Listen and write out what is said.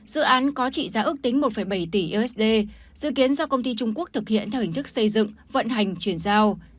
dự án có trị giá ước tính một bảy tỷ usd dự kiến do công ty trung quốc thực hiện theo hình thức xây dựng vận hành chuyển giao